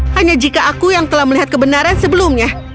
hanya jika aku yang telah melihat kebenaran sebelumnya